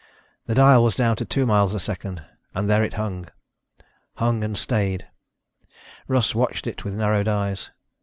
The dial was down to two miles a second and there it hung. Hung and stayed. Russ watched it with narrowed eyes.